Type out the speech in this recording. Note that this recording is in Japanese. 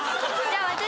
じゃあ私。